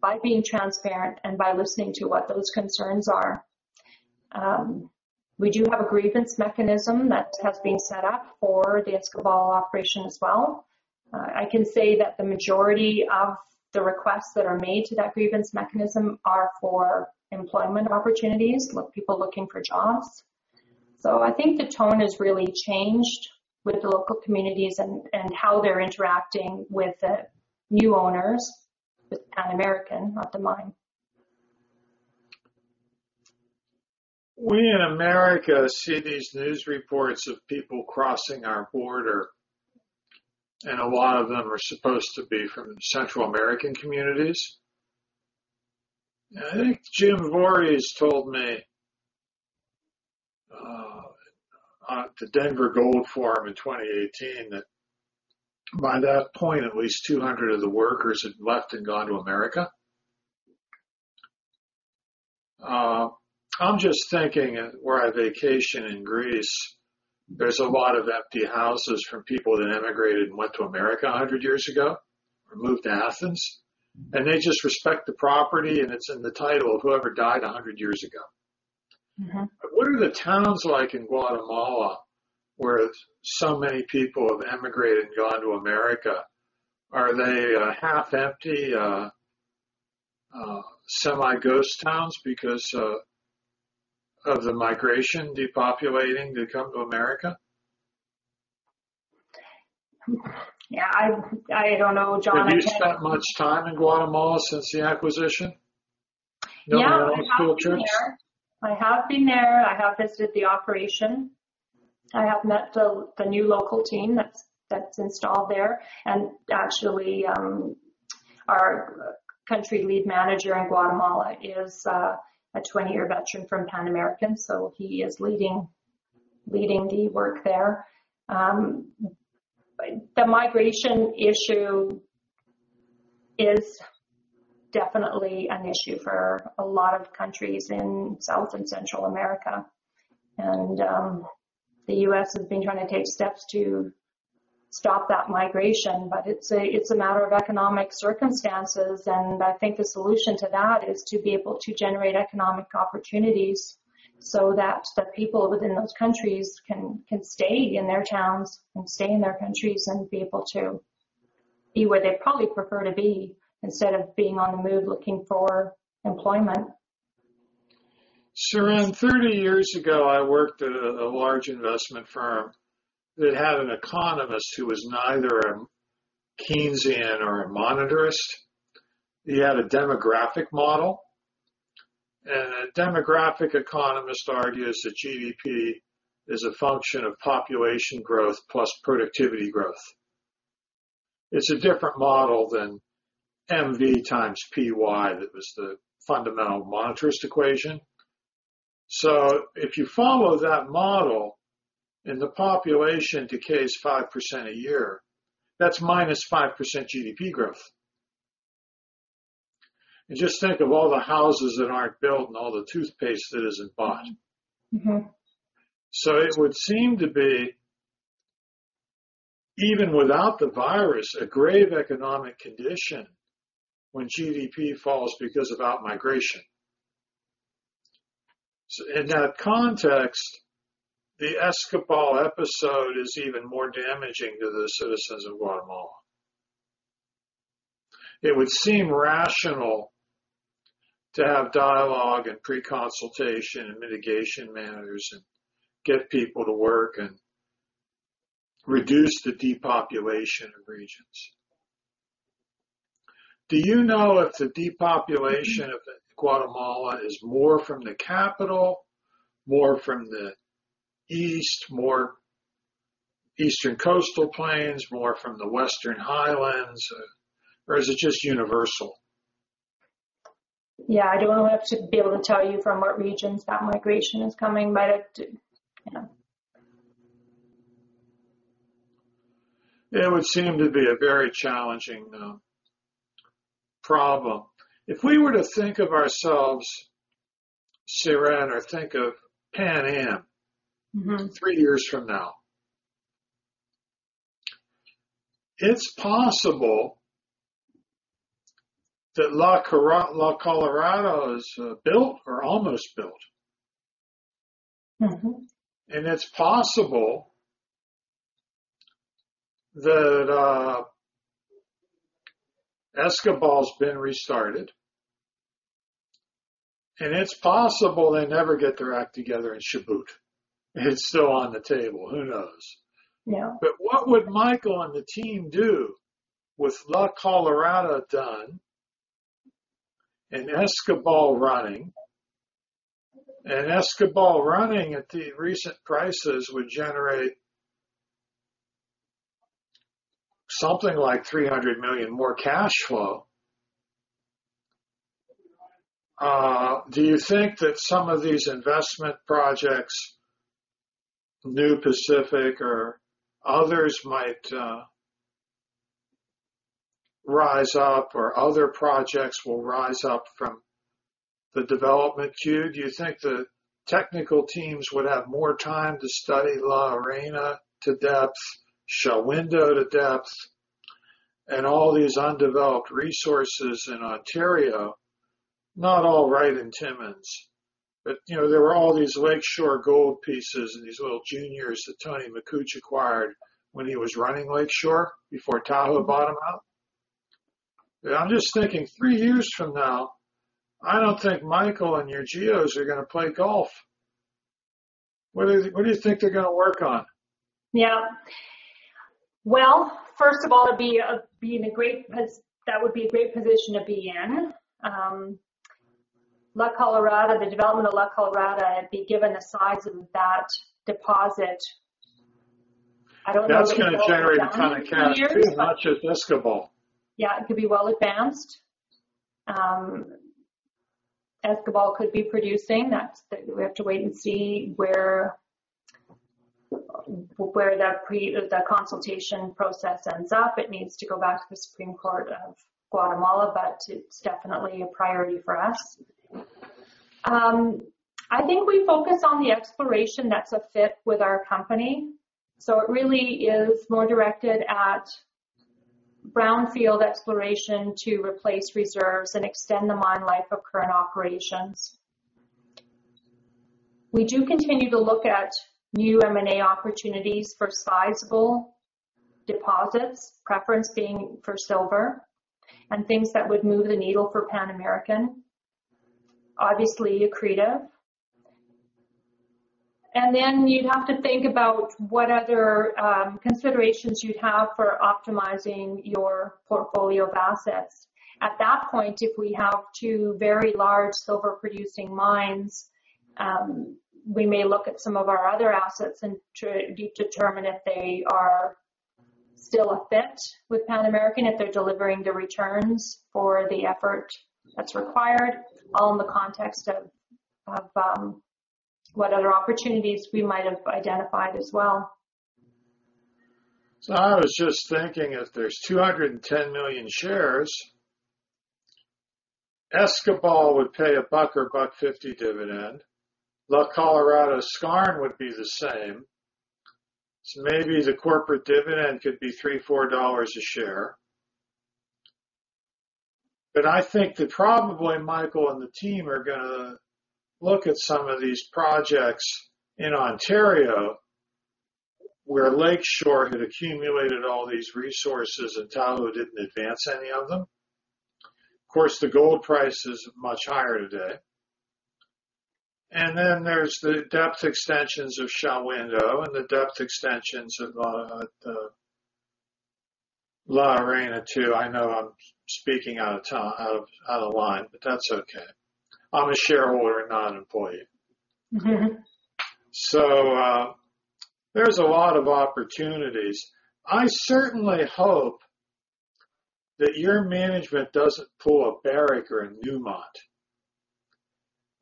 by being transparent and by listening to what those concerns are. We do have a grievance mechanism that has been set up for the Escobal operation as well. I can say that the majority of the requests that are made to that grievance mechanism are for employment opportunities, people looking for jobs. I think the tone has really changed with the local communities and how they're interacting with the new owners, with Pan American, not the mine. We, in the America., see these news reports of people crossing our border, and a lot of them are supposed to be from Central American communities. I think Jim Voorhees told me at the Denver Gold Forum in 2018 that by that point, at least 200 of the workers had left and gone to the U.S. I'm just thinking where I vacation in Greece, there's a lot of empty houses from people that immigrated and went to the U.S. 100 years ago or moved to Athens, and they just respect the property, and it's in the title of whoever died 100 years ago. What are the towns like in Guatemala, where so many people have emigrated and gone to America? Are they half empty, semi-ghost towns because of the migration depopulating to come to America? Yeah. I don't know, John. Have you spent much time in Guatemala since the acquisition? No field trips? Yeah. I have been there. I have visited the operation. I have met the new local team that's installed there. Actually, our country lead manager in Guatemala is a 20-year veteran from Pan American, so he is leading the work there. The migration issue is definitely an issue for a lot of countries in South and Central America. The U.S. has been trying to take steps to stop that migration. It's a matter of economic circumstances, and I think the solution to that is to be able to generate economic opportunities so that the people within those countries can stay in their towns and stay in their countries and be able to be where they probably prefer to be instead of being on the move looking for employment. Siren, 30 years ago, I worked at a large investment firm that had an economist who was neither a Keynesian or a Monetarist. They have demographic model. A demographic economist's argument is that GDP is a function of population growth plus productivity growth. It's a different model than MV times PY. That was the fundamental monetarist equation. If you follow that model and the population decays 5% a year, that's minus 5% GDP growth. Just think of all the houses that aren't built and all the toothpaste that isn't bought. It would seem to be, even without the virus, a grave economic condition when GDP falls because of outmigration. In that context, the Escobal episode is even more damaging to the citizens of Guatemala. It would seem rational to have dialogue and pre-consultation and mitigation managers and get people to work and reduce the depopulation of regions. Do you know if the depopulation of Guatemala is more from the capital, more from the east, more eastern coastal plains, more from the western highlands, or is it just universal? Yeah, I don't know if I'd be able to tell you from what regions that migration is coming, but yeah. It would seem to be a very challenging problem. If we were to think of ourselves, Siren, or think of Pan Am three years from now, it is possible that La Colorada is built or almost built. It's possible that Escobal's been restarted, and it's possible they never get their act together in Shahuindo. It's still on the table. Who knows? Yeah. What would Michael and the team do with La Colorada done and Escobal running? Escobal running at the recent prices would generate something like $300 million more cash flow. Do you think that some of these investment projects, New Pacific or others might rise up, or other projects will rise up from the development queue? Do you think the technical teams would have more time to study La Arena to depth, Shahuindo to depth, and all these undeveloped resources in Ontario? Not all right in Timmins. There are all these Lake Shore Gold pieces and these little juniors that Tony Makuch acquired when he was running Lake Shore before Tahoe bought him out. I'm just thinking three years from now, I don't think Michael and your geos are going to play golf. What do you think they're going to work on? Well, first of all, that would be a great position to be in. La Colorada, the development of La Colorada, given the size of that deposit, I don't know. That's going to generate a ton of cash too, not just Escobal. Yeah. It could be well advanced. Escobal could be producing. We have to wait and see where the consultation process ends up. It needs to go back to the Supreme Court of Justice of Guatemala, but it's definitely a priority for us. I think we focus on the exploration that's a fit with our company. It really is more directed at brownfield exploration to replace reserves and extend the mine life of current operations. We do continue to look at new M&A opportunities for sizable deposits, preference being for silver and things that would move the needle for Pan American. Obviously, accretive. You'd have to think about what other considerations you'd have for optimizing your portfolio of assets. At that point, if we have two very large silver-producing mines, we may look at some of our other assets and determine if they are still a fit with Pan American, if they're delivering the returns for the effort that's required, all in the context of what other opportunities we might have identified as well. I was just thinking, if there's $210 million shares, Escobal would pay a $1 or $1.50 dividend. La Colorada skarn would be the same. Maybe the corporate dividend could be $3, $4 a share. I think that probably Michael and the team are gonna look at some of these projects in Ontario, where Lake Shore had accumulated all these resources, and Tahoe didn't advance any of them. Of course, the gold price is much higher today. Then there's the depth extensions of Shahuindo and the depth extensions of La Arena, too. I know I'm speaking out of line, but that's okay. I'm a shareholder, not an employee. There's a lot of opportunities. I certainly hope that your management doesn't pull a Barrick or a Newmont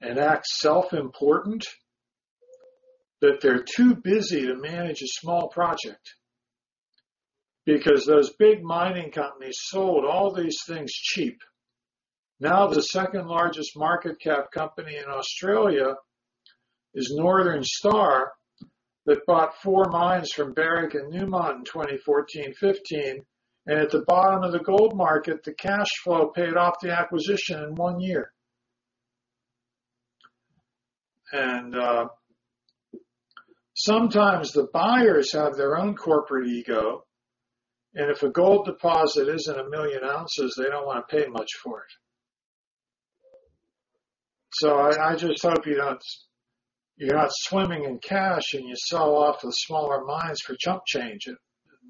and act self-important, that they're too busy to manage a small project. Those big mining companies sold all these things cheap. The second-largest market cap company in Australia is Northern Star that bought four mines from Barrick and Newmont in 2014, 2015. At the bottom of the gold market, the cash flow paid off the acquisition in one year. Sometimes the buyers have their own corporate ego, and if a gold deposit isn't 1 million oz, they don't want to pay much for it. I just hope you're not swimming in cash and you sell off the smaller mines for chump change and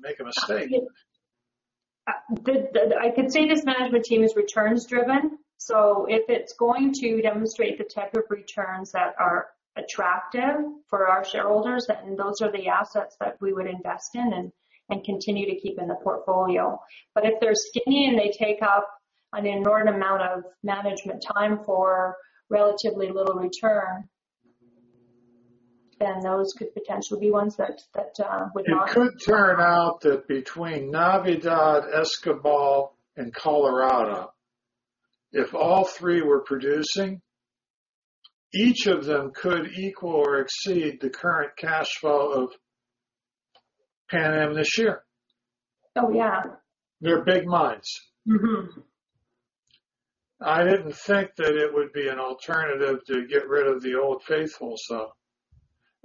make a mistake. I could say this management team is returns driven, so if it's going to demonstrate the type of returns that are attractive for our shareholders, then those are the assets that we would invest in and continue to keep in the portfolio. If they're skinny and they take up an inordinate amount of management time for relatively little return, then those could potentially be ones. It could turn out that between Navidad, Escobal, and Colorada, if all three were producing, each of them could equal or exceed the current cash flow of Pan Am this year. Oh, yeah. They're big mines. I didn't think that it would be an alternative to get rid of the old faithful.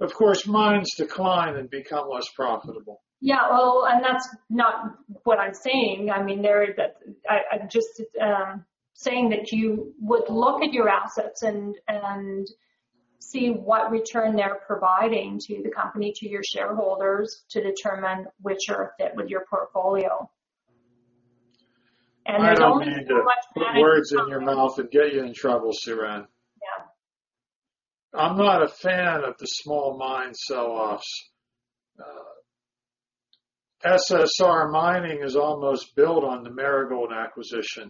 Of course, mines decline and become less profitable. Well, that's not what I'm saying. I'm just saying that you would look at your assets and see what return they're providing to the company, to your shareholders, to determine which are a fit with your portfolio. There's only so much management. I don't mean to put words in your mouth and get you in trouble, Siren. Yeah. I'm not a fan of the small mine sell-offs. SSR Mining is almost built on the Marigold acquisition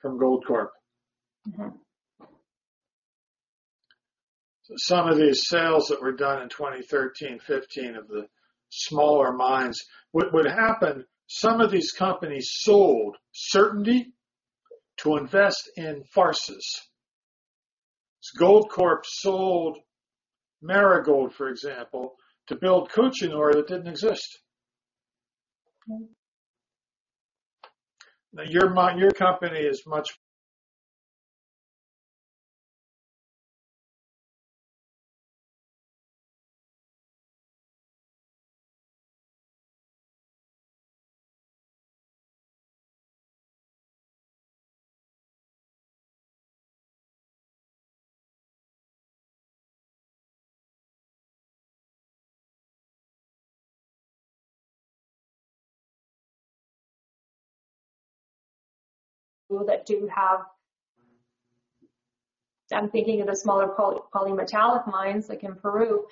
from Goldcorp. Some of these sales that were done in 2013, 2015 of the smaller mines, what would happen, some of these companies sold certainty to invest in assets. Goldcorp sold Marigold, for example, to build Cochenour that didn't exist. Now, your company is much. I'm thinking of the smaller polymetallic mines like in Peru.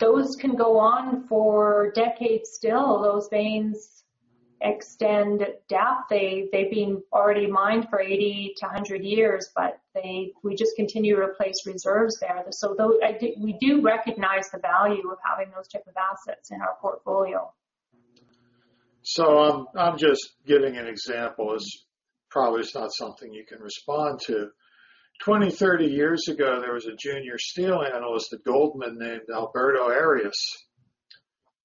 Those can go on for decades still. Those veins extend depth. They've been already mined for 80 to 100 years, but we just continue to replace reserves there. We do recognize the value of having those type of assets in our portfolio. I'm just giving an example. It's probably is not something you can respond to. 20, 30 years ago, there was a junior steel analyst at Goldman named Alberto Arias,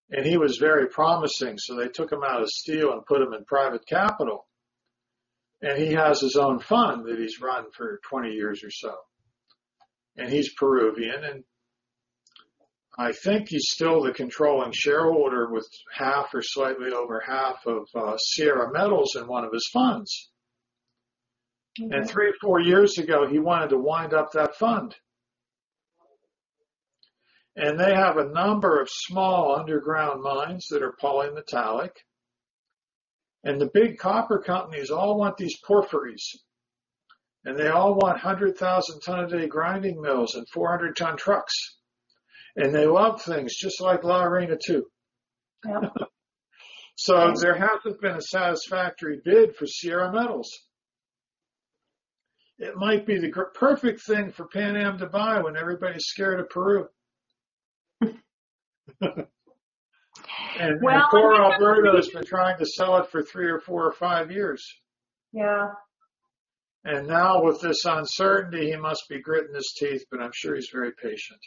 and he was very promising, so they took him out of steel and put him in private capital. He has his own fund that he's run for 20 years or so, and he's Peruvian, and I think he's still the controlling shareholder with half or slightly over half of Sierra Metals in one of his funds. Three or four years ago, he wanted to wind up that fund. They have a number of small underground mines that are polymetallic, and the big copper companies all want these porphyries, and they all want 100,000 ton a day grinding mills and 400 ton trucks. They love things just like La Arena too. Yep. There hasn't been a satisfactory bid for Sierra Metals. It might be the perfect thing for Pan Am to buy when everybody's scared of Peru. Well. Poor Alberto's been trying to sell it for three or four or five years. Yeah. Now with this uncertainty, he must be gritting his teeth, but I'm sure he's very patient.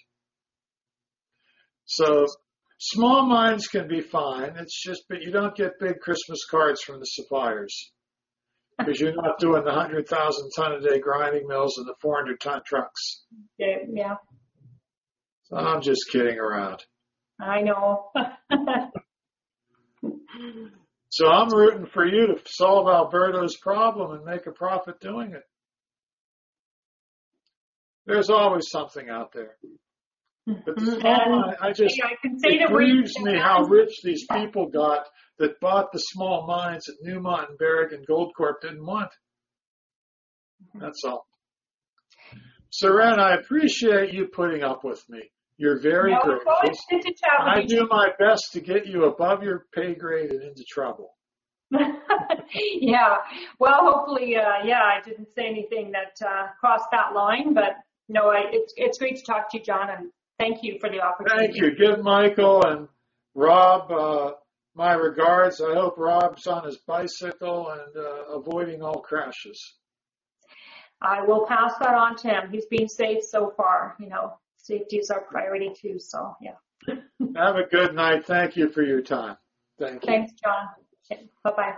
Small mines can be fine, it's just, but you don't get big Christmas cards from the suppliers because you're not doing the 100,000 ton a day grinding mills and the 400 ton trucks. Yeah. I'm just kidding around. I know. I'm rooting for you to solve Alberto's problem and make a profit doing it. There's always something out there. Mm-hmm. Yeah. But the small mine, I just. Yeah, I can say that. It amuses me how rich these people got that bought the small mines that Newmont and Barrick and Goldcorp didn't want. That's all. Siren, I appreciate you putting up with me. You're very gracious. No, it is always good to chat with you. I do my best to get you above your pay grade and into trouble. Yeah. Well, hopefully, yeah, I didn't say anything that crossed that line, but no, it's great to talk to you, John, and thank you for the opportunity. Thank you. Give Michael and Rob my regards. I hope Rob's on his bicycle and avoiding all crashes. I will pass that on to him. He's being safe so far. Safety is our priority too, so yeah. Have a good night. Thank you for your time. Thank you. Thanks, John. Bye.